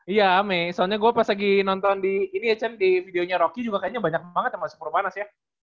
iya ame soalnya gue pas lagi nonton di video rocky juga kayaknya banyak banget yang masuk perbanas ya